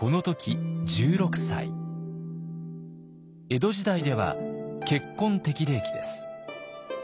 江戸時代では結婚適齢期です。